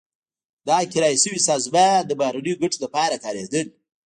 دا کرایه شوې سازمان د بهرنیو ګټو لپاره کارېدل.